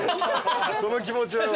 その気持ちは俺は。